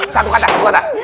satu kata satu kata